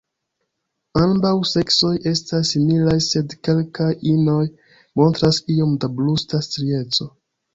Ambaŭ seksoj estas similaj, sed kelkaj inoj montras iom da brusta strieco.